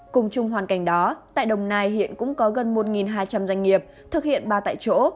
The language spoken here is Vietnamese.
cùng chung hoàn cảnh đó tại đồng nai hiện cũng có gần một hai trăm linh doanh nghiệp thực hiện ba tại chỗ